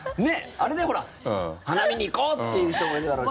あれで花見に行こうっていう人もいるだろうし。